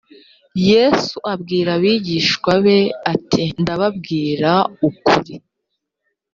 yesu abwira abigishwa be ati ndababwira ukuri